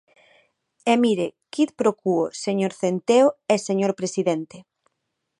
E mire, quid pro quo, señor Centeo e señor presidente.